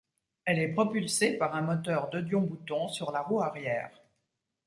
Elle est propulsée par un moteur De Dion-Bouton sur la roue arrière.